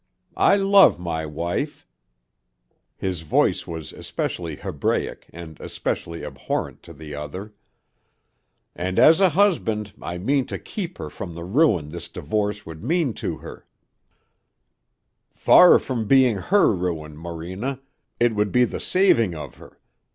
I love my wife" his voice was especially Hebraic and especially abhorrent to the other "and as a husband I mean to keep her from the ruin this divorce would mean to her " "Far from being her ruin, Morena, it would be the saving of her.